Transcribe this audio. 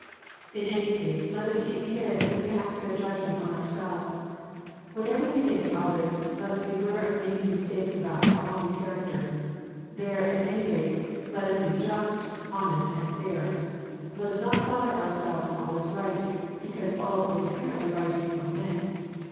<^, In any case let us take care that we pass fair judgment on ourselves. Whatever je© think of others, let us beware of making mistakes about our own character. There, at any rate, let us be just,_honest, and fair. Let us not flatter ourselves that all is right, because all is apparently right before men.